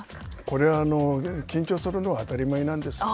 これは、緊張するのは当たり前なんです。